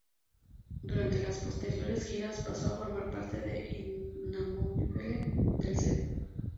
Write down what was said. Durante las posteriores giras pasó a formar parte inamovible del set.